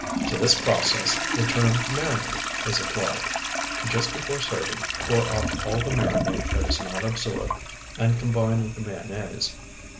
To this process the term marinate is applied. Just before serving, pour off all the marinate that is not absorbed, and combine with the mayonnaise.